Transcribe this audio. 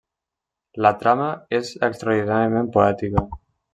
La trama és extraordinàriament poètica.